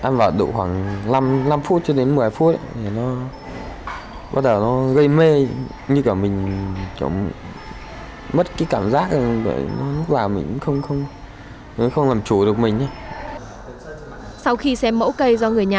sau khi xem mẫu cây do người nhà mang đến các bác sĩ xác nhận đây là cây hoa chuông